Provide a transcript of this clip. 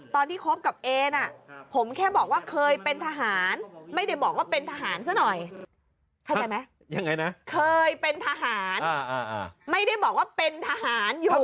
คบกับเอน่ะผมแค่บอกว่าเคยเป็นทหารไม่ได้บอกว่าเป็นทหารซะหน่อยเข้าใจไหมยังไงนะเคยเป็นทหารไม่ได้บอกว่าเป็นทหารอยู่